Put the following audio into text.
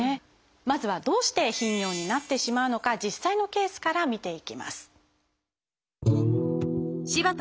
まずはどうして頻尿になってしまうのか実際のケースから見ていきます。